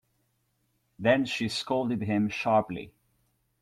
Then she scolded him sharply.